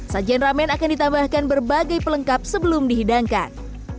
sajian ramen akan ditambahkan berbagai pelengkap sebelum dihidangkan